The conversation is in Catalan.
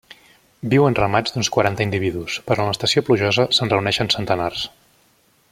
Viu en ramats d'uns quaranta individus, però en l'estació plujosa se'n reuneixen centenars.